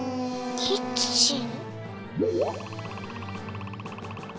キッチン？